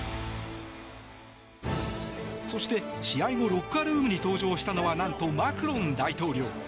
そして試合後ロッカールームに登場したのは何とマクロン大統領。